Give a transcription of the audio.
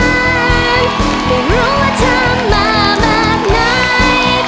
ไม่รู้ว่าเธอมาแบบไหน